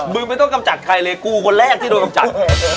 ไม่ต้องกำจัดใครเลยกูคนแรกที่โดนกำจัด